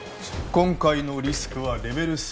今回のリスクはレベル３。